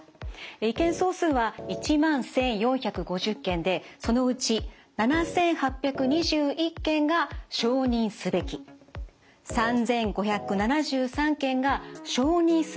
意見総数は１万１，４５０件でそのうち７，８２１件が「承認すべき」３，５７３件が「承認すべきでない」でした。